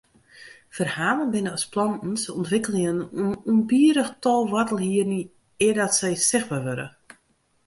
Ferhalen binne as planten, se ûntwikkelje in ûnbidich tal woartelhierren eardat se sichtber wurde.